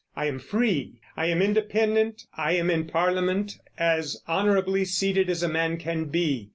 I am free. I am independent. I am in Parliament, as honorably seated as man can be.